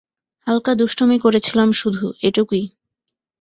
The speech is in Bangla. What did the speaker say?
হালকা দুষ্টুমি করেছিলাম শুধু, এটুকুই।